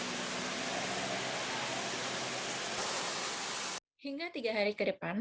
memprediksi hujan yang turun selama tiga hari ke depan